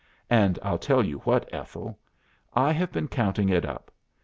And I'll tell you what, Ethel. I have been counting it up.